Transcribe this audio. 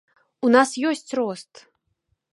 У нас ёсць рост.